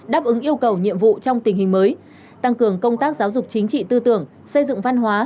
đáp ứng yêu cầu nhiệm vụ trong tình hình mới tăng cường công tác giáo dục chính trị tư tưởng xây dựng văn hóa